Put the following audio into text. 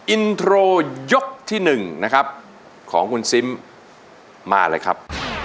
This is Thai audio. อินโทรยกที่๑นะครับของคุณซิมมาเลยครับ